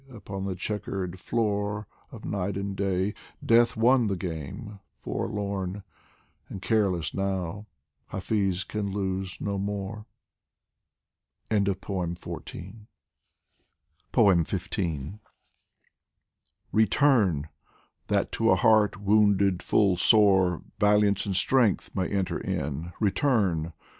Upon the chequered floor Of Night and Day, Death won the game forlorn And careless now, Hafiz can lose no more. xv RETURN ! that to a heart wounded full sore Valiance and strength may enter in ; return